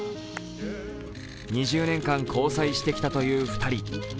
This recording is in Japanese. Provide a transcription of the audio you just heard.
２０年間交際してきたという２人。